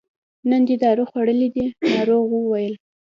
نن دې دارو خوړلي دي ناروغ وویل.